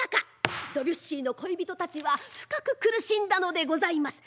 ドビュッシーの恋人たちは深く苦しんだのでございます。